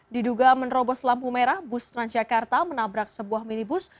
diduga menerobos lampu merah bus transjakarta menabrak sebuah minibus